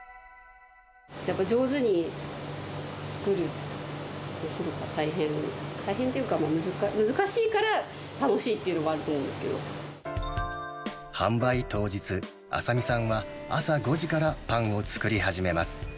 やっぱ上手に作るってすごく大変、大変というか、もう難しいから楽しいっていうのがあると思うんで販売当日、麻未さんは朝５時からパンを作り始めます。